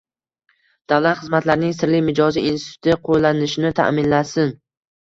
«davlat xizmatlarining sirli mijozi» instituti qo‘llanilishini ta’minlasin;